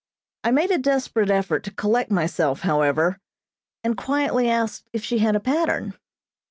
I made a desperate effort to collect myself, however, and quietly asked if she had a pattern.